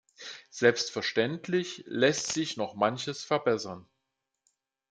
Selbstverständlich lässt sich noch manches verbessern.